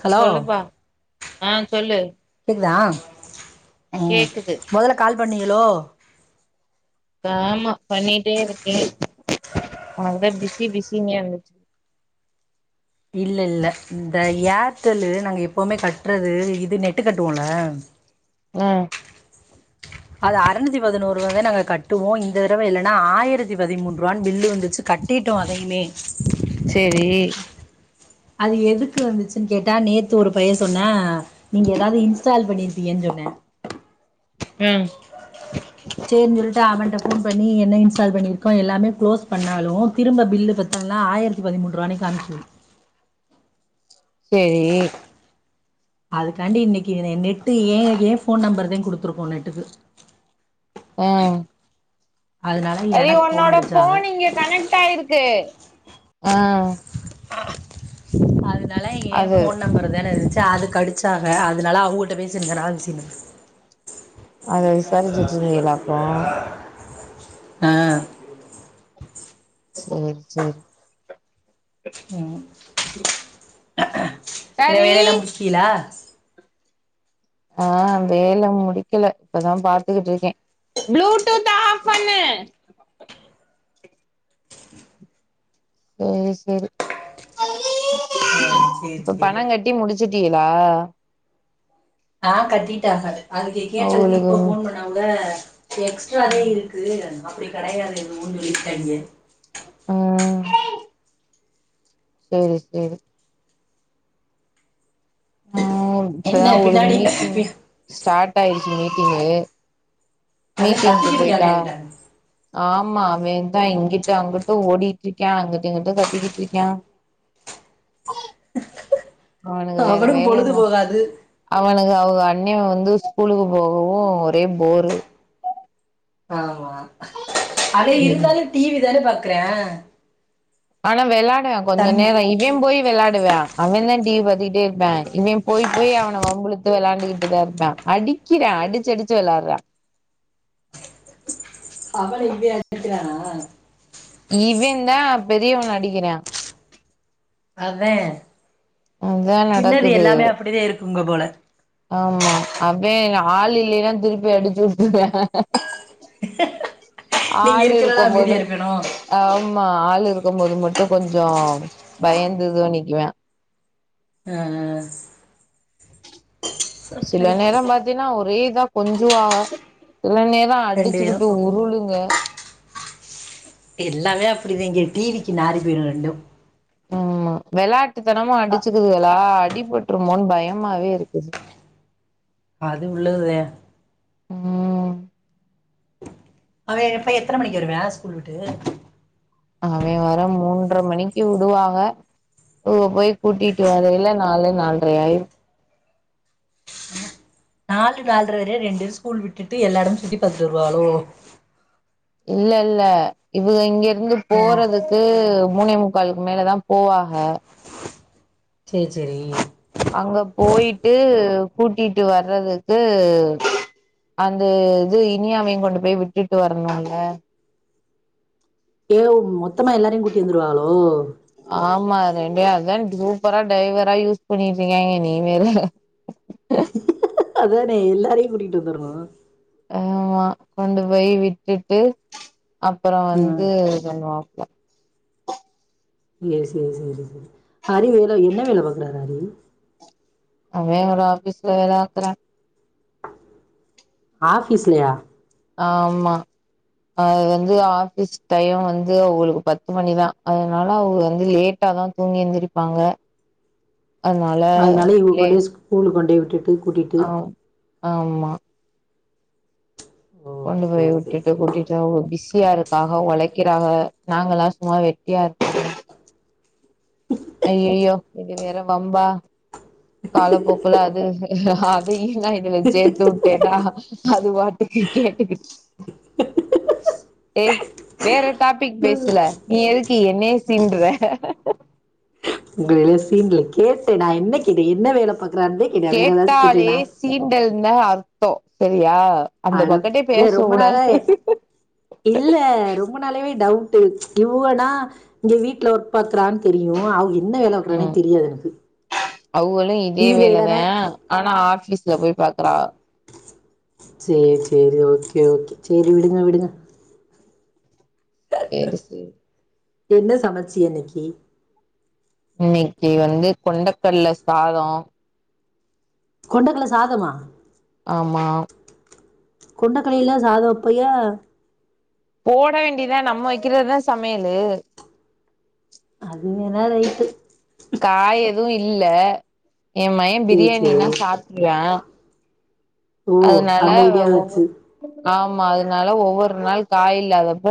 hello சொல்லுப்பா ஆ சொல்லு கேக்குதா ம் கேக்குது மொதல்ல கால் பண்ணீகளோ ஆமா பண்ணிட்டே இருக்கே அந்த பிஸி பிஸினே வந்துச்சு இல்ல இல்ல இந்த ஏர்டெல்லு நாங்க எப்பவுமே கட்றது இது நெட்டு கட்டுவோல அ அது அறுநூத்தி பதினொருவாத நாங்க கட்டுவோ இந்த தடவ என்னனா ஆயிரத்தி பதிமூன்றுவானு பில்லு வந்துச்சு கட்டிடோ அதையுமே சேரி அது எதுக்கு வந்துசுன் கேட்டா நேத்து ஒரு பய சொன்னே நீங்க எதாவ்து இன்ஸ்டால் பண்ணிருப்பியனு சொன்னே அ சேரின் சொல்ட்டு அவன்ட ஃபோன் பண்ணி என்ன இன்ஸ்டால் பண்ணிருக்கோ எல்லாமே க்ளோஸ் பண்ணாலு திரும்ப பில்லு வந் எல்லா ஆயிரத்தி பதிமூன்றுவானே காமிக்கிது சேரி அதுக்காண்டி இன்னைக்கு எ நெட்டு ஏ ஏ ஃபோன் நம்பர்தே குடுத்துருக்கோ நெட்டுக்கு ஆ அதனால எனக்கு ஃபோன் அடிச்சாக ஆ அதனால ஏ அது போன் நம்பர் தான இருந்துச்சு அதுக்கடிச் ச்சாக அதுனால அவுகட்ட பேசிருந்தனால பிஸினு அது வந் விசாரிச்சுட்டு இருந்தீங்களாக்கு அஹ் சேரி சேரி ம் ப்ப் என்ன வேலைலா முடிச்டியலா ஆ வேல முடிக்கல இப்பதா பாத்துகிட்ருக்கே ப்ளூடூத்த ஆஃப் பண்ணு சேரி சேரி ஆ சேரி இப்ப பண சேரி கட் ட்டி முடிச்சிட்டீயலா ஆ கட்டிட்டாங்க அதுக்கு கேட்டதுக்கு அவங்களுக்கு இப்ப ஃபோன் பண்ணாங்க எக்ஸ்ட்ராதே ம் இருக்கு அப்டி கெடையாது [unintelligible] சொல்லிட்டாய்ங்க ஆ சேரி சேரி ஆ இப்பதா என்ன ஒழுங் பின்னாடி மீட்டிங் ஸ்டார்ட் ஆயிருச்சு மீட்டிங்கு அதா மீட்டிங்க்கு கத்திக்கிட்டு இருக்காங்க போயிட்டா என்கிட்ட ஆமா அவேந்தா இங்கிட்டு அங்கிட்டு ஓடிட்டிருக்யா அங்கட்டு இங்கிட்டு கத்திக்கிட்டிருக்யா அவனுக்கு வேற வேல பொழுது என்ன போகாது அவனுக்கு அவுங்க அன்னே வந்து ஸ்கூலுக்கு போகவு ஒரே போரு ஆமா அவே ம் இருந்தாலு டிவி தானே பாக்குறா ஆனா வெளாடுவே கொஞ்ச தம்பி நேரோ இ இவே போயி வெளாடுவ்யா அவேந்தா டிவி பாத்துகிட்டே இருப்யா இவே போயி போயி அவன வம்புழுத்து வெளாண்டுக்கிட்டுதா இருப்யா அடிக்கிறா அடிச்சி அடிச்சி வெளாட்றா அவன இவே அடிக்கிறானா இவேந் தா பெரியவன அடிக்கிறா அதே அதா சின்னது நடக்குது எல்லாமே அப்டிதே இருக்குங்க போல ஆமா அவ்வே ஆள் இல்லேன்னா திருப்பி அடிச்சுவுட்ருவ்யா நீங்க ஆளு இருக்கறனால இருக்கம் போது அமைதியா இருக்கணு ஆமா ஆளு இருக்கம் போது மட்டு கொஞ்சோ பயந்துதா நிக்குவ்யா அ அ சில சரி நேரோ பாத்தீன்னா ஒரே இதா கொஞ்சுவாக சில நேரோ ரெண்டு பேரு அடிச்சுக்குட்டு உருளுங்க எல்லாமே அப்டிதே இங்க டி வி க்கு நாறி போயிடு ரெண்டு ம்மா வெளாட்டுத்தனமா அடிச்சிக்குதுகளா அடிபட்டுருமோன் பயமாவே இருக்குது அது உள்ளதுதே ம் அவே எப்ப எத்தன மணிக்கு வருவ்வே ஸ்கூல்வுட்டு அவே வர மூன்ற மணிக்கு வுடுவாங்க இவுக போய் கூட்டிட்டு வரேல்ல நாலு நால்ட்ரை ஆயிரு நாலு நால்ட்ர வரையு ரெண்டு ஸ்கூல் விட்டுட்டு எல்லா எடமு சுத்திபாத்துட்டு வருவாகளோ இல்ல இல்ல இவுக இங்கிருந்து ஆ போறதுக்கு மூணே முக் க்காளுக்கு மேலதா போவாக சேரி சேரி அங்க போயிட்டு கூட்டிட்டு வர்றதுக்கு அந்த இது இனியாவையு கொண்டு போய் விட்டுட்டு வரணும்ல்ல ஏவ் மொத்தமா எல்லாரையு கூட்டி வந்துருவாகளோ ஆமா ரெண்டேரு அதா சூப்பரா டைவரா யூஸ் பண்ணிட்ரீக்காய்ங்க நீ வேற அதானே எல்லாரையு கூட்டிட்டு வந்தரணு ஆமா கொண்டு போய் விட்டுட்டு அப்றோ ஆ வந்து [unintelligible] ஏ சே சே சேரி சேரி ஹரி வேல என்ன வேல பாக்குறாரு அறிவு அவே ஒரு ஆஃபீஸ்ல வேலவாக்றா ஆஃப்பீஸ்லையா ஆம்மா அது வந்து ஆஃபீஸ் டையோ வந்து அவுகளுக்கு பத்து மணிதா அதனால அவுகுக வந்து லேட்டா தா தூங்கியந்திருப்பாங்க அதனாலே இவங்க கொண்டே ஸ்கூல் கொண்டே விட்டுட்டு கூட்டிட்டு ஆவ் ஆமா ஓ கொண்டு போய் சேரி சேரி விட்டுட்டு சேரி கூட்டிட்டு அவுங்க பிஸியா இருக்காக உழைக்கிறாக நாங்கல்லாம் சும்மா வெட்டியா இரு ஐய்யய்யோ இது வேற வம்பா காலப்போக்குல அது அதையும்ல்லாம் இதுல சேத்துட் எதா அது பாட்டுக்கு கேட்டுக்குட்டு ஏ வேற டாபிக் பேசுல நீ எதுக்கு என்னய சீன்ற ஒங்கள எதும் சீன்டல கேட்டே நா என்ன கேட்டே என்ன வேல பாக்கறான்தே கேட்டே வேற ஏதாச்சும் கேட்டேன்னா சீண்டல்ன்ன அர்த்தோ சரியா அந்த அட பக்கட்டே இல்ல பேச ரொம்ப நாளா உடாது இல்ல ரொம்ப நாளவே டவுட் இவுகனா இங்க வீட்ல ஒரு பத்றான்னு தெரியும் ஆவ் இ என்ன வேலைவாக்கறானே ம் தெரியாது எனக்கு அவகளு இதே இதுல இடன வேலதா ஆனா ஆபீஸ்ல போய் பாக்குறா சேர் சேர் ஓகே ஓகே சேரி விடுங்க விடுங்க சேரி சேரி என்ன சமைச்சுக இன்னிக்கு இன்னைக்கு வந்து கொண்டக்கல்ல சாதம் கொண்டக்கல்ல சாதமா ஆமா கொண்டக்கலையல்ல சாதம் வப்பைய போட வேண்டியதா நம்ம வைக்கிறதுதா சமையலு அது வேன்னா ரைய்டு காய் எதும் இல்ல என் பைய சேரி சேரி பிரியாணினா சாப்டுவா ஓ அதனால அந்த ஐடியா ஒவ்வொ வச்சு ஆமா அதனால ஒவ்வொரு நாள் காய் இல்லாதப்ப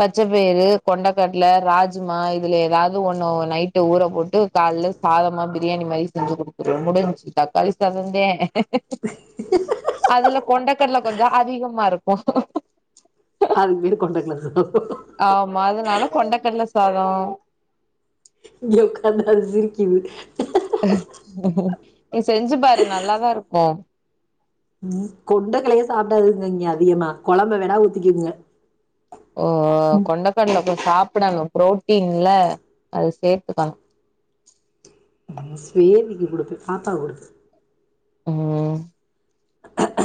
பச்சைப்பயிரு கொண்டக்கடல ராஜ்மா இதுல ஏதாவது ஒண்ணு நைட்டு ஊற போட்டு கால்ல சாதமா பிரியாணி மாரி செஞ்சு கொடுத்துருவோ முடிஞ்சு தக்காளி சாதந்தே அதுல கொண்டக்கடல கொஞ்சோ அதிகமா இருக்கு அதுக்கு பேரு கொண்டகல்ல சாதோ ஆமா அதனால கொண்டக்கடல சாதோ இங்க உட்காந்தா சிரிக்குது நீ செஞ்சு பாரு நல்லாதா இருக்கும் ம் கொண்டக்கடலையே சாப்பிடாதுங்க இங்க அதிகமா குழம்ப வேனா ஊத்திக்குங்க ஓ ஓ கொண்டக்கடல போய் சாப்பிடணும் புரோட்டீன்ல அது சேர்த்துக்கணும் நம்ம சேவிக்கு குடுத்து தாத்தா குடுத்தது ம்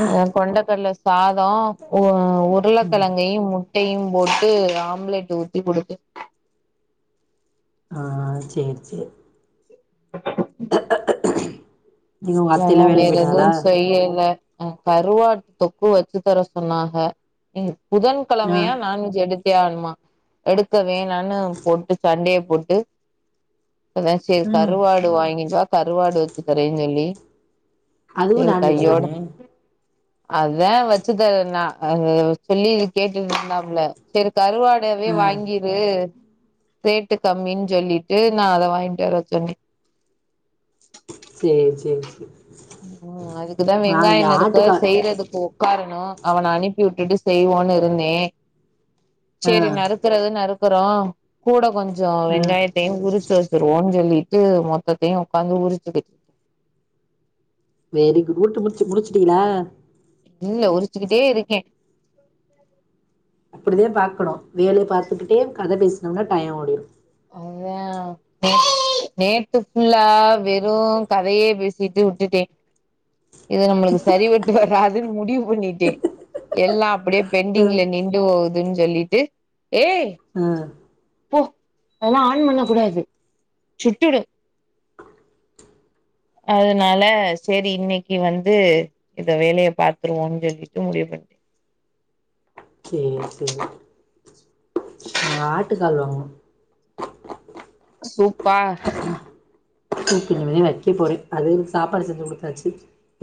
அதா கொண்டக்கல்ல சாதோ உ ஒ உருளைக்கழங்கையும் முட்டையும் போட்டு ஆம்லேட் ஊத்தி குடுத்து ஆ ஆ சேர் சேர் நீங்க உங்க எ அத்தைலா வேற வேலைக்கு போயிட்டாகளா எதுவும் செய்யல அ கருவாட்டு தொக்கு வச்சு தர சொன்னாக இன் புதன் ஆ கிழமையா நான் வேஜ் எடுத் தே ஆகணுமா எடுக்க வேணான்னு போட்டு சண்டய போட்டு அதா சரி ம் கருவாடு வாங்கின் வா கருவாடு வச்சு தரேன்னு சொல்லி அதுவு செர் நான்வெஜ் கையோட தானே அதா வச்சு தரே நா அது சொல்லி கேட்டுட்டு இருந்தாப்ல சரி கருவாடு அக்காவே ஆ வாங்கிரு ரேட்டு கம்மின் சொல்லிட்டு நா அத வாய்ங்ட்டு வர சொன்னே சேர் சேர் சேர் ம் ம் அதுக்குதா வெங்காய நறுக்க ஆட்டுக்கால் செய்றதுக்கு உக்காரனோ அவன அனுப்பி விட்டுட்டு செய்வோன்னு இருந்தே சேரி ஆ நறுக் க்குறது நறுக்குறோ கூட கொஞ்சோ ஆ வெங்காயத் மொத்தயு உரிச்சி வச்ருவோன் சொல்லிட்டு மொத்தத்தையு ஒக்காந்து உரிக்குது வெரி குட் எல்த்தியு உரிச்சி முடிச்சுட்டீங்ளா இல்ல உரிச்சுக்கிட்டே இருக்கே அப்படிதா பாக்குறோ வேலய பாத்துக்கிட்டே கத பேசின்னா டையோ ஓடிட் அவ அ நேத்து ஃபுல்லா வெறும் கதயே பேசிட்டு விட்டுட்டே இவன் நம்ளுக்கு சரிப்பட்டு வராதுன் முடிவு பண்ணிட்டே எல்லா அப்டியே அ பெண்டிங்ல நின்டு போவ்துன்னு சொல்லிட்டு ஏ ம் அதெல்லா ஆன் பண்ண கூடாது சுட்டுடோ அதனால சரி இன்னிக்கு வந்து இந்த வேலய பாத்ருவோம்னு சொல்லிட்டு முடிவு பண்ணிட்ட சேரி செரி நா ஆட்டுக்கால் வாங்குனோ சோ [unintelligible] இனிமே வெக்க போறே அதுள்ளுக் சாப்பாடு செஞ்சு குடுத்தாச்சு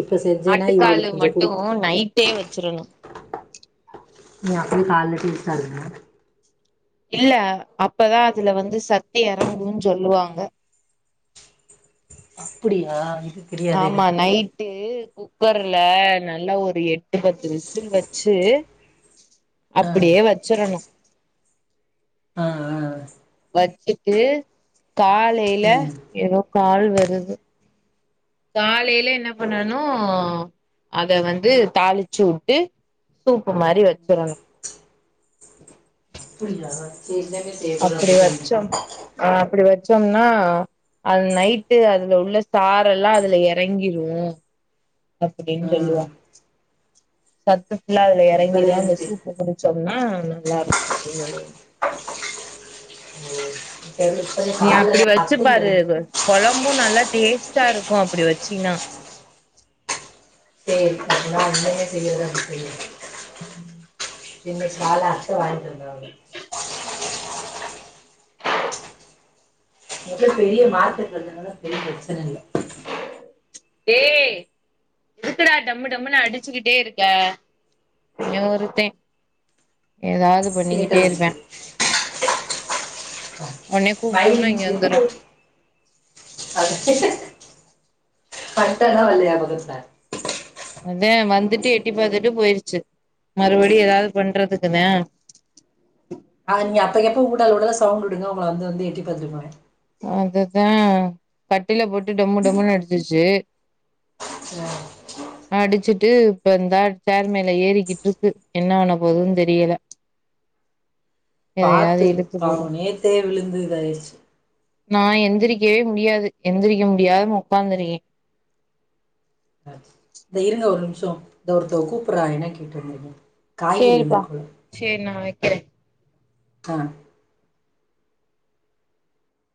இப்ப செஞ்சேன்னா இவங்களுக் கொஞ்சோ குடுத் தே வச்சிருங்க நீ அப்பயே காய்ல டீச்சரா இருங்க இல்ல அப்ப தா அதுல வந்து சத்து எறங்கும் சொல்லுவாங்க அப்படியா இது தெரியாது ஆமா எனக்கு நை ட்டு குக்கர்ல நல்லா ஒரு எட்டு பத்து விசில் வச்சு ஆ அப்படியே வச்சிருனோ அ அ அ வச்சுட்டு காலையில ம் ஏதோ கால் வருது காலைய்ல என்ன பண்ணனு அத வந்து தாளிச்சுவுட்டு சூப்பு மாரி வச்சிருனோ [inaudible] புரில்யா சேர் எல்லாமே தேது [unintelligible] ஆ் அப்டி வச்சோம்னா அது நைட்டு அதுல உள்ள சாரெல்லா அதுல எறங்கிரு அப்படின் ஆ சொல்லுவா சத்து ஃபுல்லா அதுல இப்பதே எறங்கிரோ அந்த எனக்கு சூப் இப்ப குடிச்சோம்னா நல்லா இருக் ஓரளவு ம் பர்லீஃப் நீ அப்படி வச்சு பாரு அத கொழம்பும் நல்லா டேஸ்ட்டா இருக்கும் அப்படி வச்சீன்னா செரி நா இன்னொரு முற செய்றல அப்ப செய்யுற இங்க சால அத்த வாங்கிட்டு வந்தாவ [unintelligible] பெரிய மார்க்கெட் இருக்னால பெரிய பிரச்சன இல்ல டய் இருக்கடா டம்மு டம்மு நான் அடிச்சுக்கிட்டே இருக்கேன் இவே ஒருத்தே ஏதாவ்து சேட்ட பண்ணிக்கிட்டே இருப்பாங் முடியாது ஒன்னே கூப்ட்டோம்னா இங்க வந்துரு [inaudible] பட்டல்லாம் வெளையாகாது சார் அதான் வந்துட்டு எட்டி பார்த்துட்டு போயிருச்சு மறுபடியும் ஏதாவ்து பண்றதுக்குதா ஆ நீங்க அப்பக்கப்ப ஊடால ஊடால சவுண்ட் விடுங்க உங்கள வந்து எட்டி பாத்துட்டு போவா அதுதா கட்டில போட்டு டம்மு டம்முனு அடிச்சுச்சு [inaudible] [inaudible] அடிச்சுட்டு இப்ப இந்தா சேர் மேல ஏறிக்கிட்டு இருக்கு என்ன பண்ண போதுன்னு தெரியல எதையாவது இழுத்து போடும் தே விழுந்து இதாயிறுச்சி நா எந்திரிக்கவே முடியாது எந்திரிக்க முடியாம உக்காந்துருக்கே இந்த இருங்க ஒரு நிமிஷோ இந்த ஒருத்த கூப்புறா என்னன் கேட்டு வந்துறே சேரிப்பா சேரி நா வக்கிறே ஆ